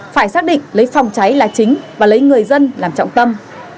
phải xác định lấy phòng cháy là chính và lấy người dân làm trọng tâm